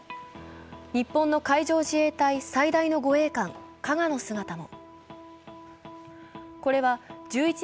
日本の海上自衛隊最大の護衛艦「かが」の姿も。